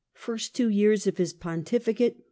FIRST TWO YEARS OF mS PONTIFICATE.